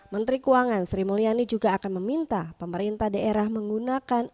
menteri keuangan sri mulyani juga akan meminta pemerintah daerah menggunakan